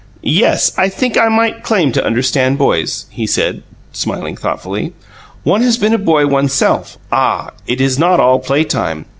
"Yes, I think I may claim to understand boys," he said, smiling thoughtfully. "One has been a boy one's self. Ah, it is not all playtime!